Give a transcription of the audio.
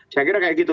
saya kira kayak gitu